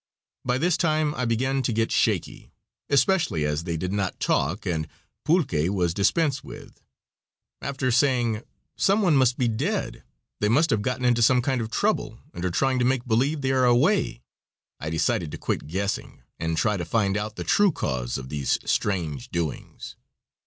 By this time I began to get "shaky," especially as they did not talk and pulque was dispensed with. After saying: "Some one must be dead;" "They must have gotten into some kind of trouble, and are trying to make believe they are away," I decided to quit "guessing," and try to find out the true cause of these strange doings.